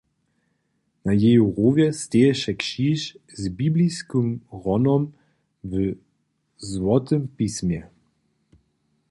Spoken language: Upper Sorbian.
Na jeju rowje steješe křiž z bibliskim hronom w złotym pismje: